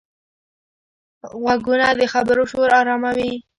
غوږونه د خبرو شور آراموي